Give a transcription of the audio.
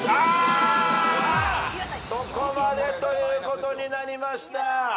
そこまでということになりました。